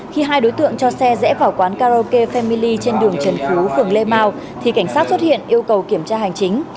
khi hai đối tượng cho xe rẽ vào quán karaoke family trên đường trần phú phường lê mau thì cảnh sát xuất hiện yêu cầu kiểm tra hành chính